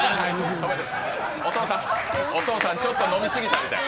止めて、お父さん、ちょっと飲み過ぎたみたい。